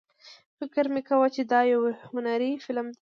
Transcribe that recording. فکر مې کاوه چې دا یو هنري فلم دی.